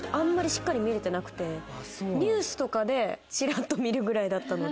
ニュースとかでチラっと見るぐらいだったので。